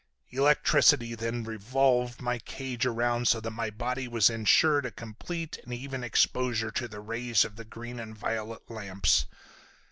Electricity then revolved my cage around so that my body was insured a complete and even exposure to the rays of the green and violet lamps.